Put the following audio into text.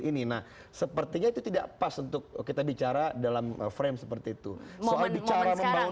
ini nah sepertinya itu tidak pas untuk kita bicara dalam frame seperti itu momen momen sekarang ya